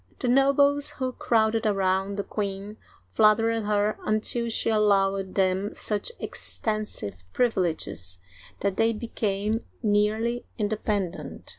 The nobles who crowded around the queen flattered her until she allowed them such extensive privileges that they became nearly independent.